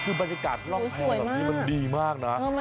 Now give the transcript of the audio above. คือบรรยากาศร่องแพร่แบบนี้มันดีมากนะ